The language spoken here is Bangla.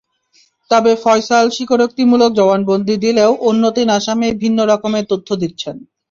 তবে ফয়সাল স্বীকারোক্তিমূলক জবানবন্দি দিলেও অন্য তিন আসামি ভিন্ন রকম তথ্য দিচ্ছেন।